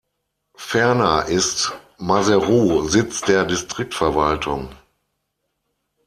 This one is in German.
Ferner ist Maseru Sitz der Distriktverwaltung.